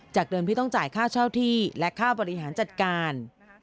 เดิมที่ต้องจ่ายค่าเช่าที่และค่าบริหารจัดการ